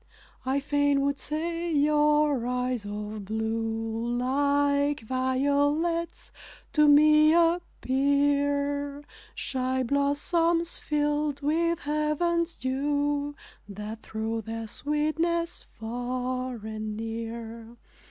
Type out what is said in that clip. I fain would say your eyes of blue, Like violets to me appear; Shy blossoms, filled with heaven's dew, That throw their sweetness far and near.